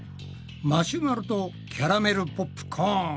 マシュマロとキャラメルポップコーン